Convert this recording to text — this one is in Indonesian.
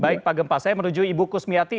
baik pak gempa saya menuju ibu kusmiati